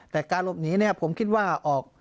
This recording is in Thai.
แต่การหลบหนีผมคิดว่าออก